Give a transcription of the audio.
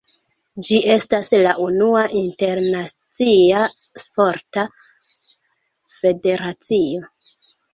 Ĝi estas la unua internacia sporta federacio.